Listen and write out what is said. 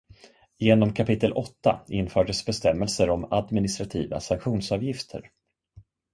Genom kapitel åtta infördes bestämmelser om administrativa sanktionsavgifter.